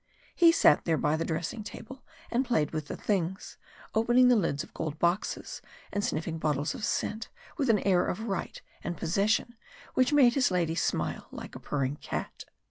He sat there by the dressing table, and played with the things, opening the lids of gold boxes, and sniffing bottles of scent with an air of right and possession which made his lady smile like a purring cat.